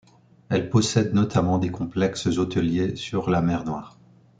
Elle possède notamment des complexes hôteliers sur la mer Noire.